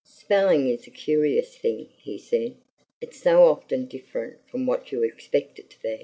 "Spelling is a curious thing," he said. "It's so often different from what you expect it to be.